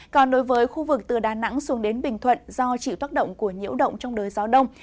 còn đối với khu vực từ đà nẵng xuống đến bình thuận do chịu tác động của nhiễu động trong đới gió đông